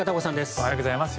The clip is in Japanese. おはようございます。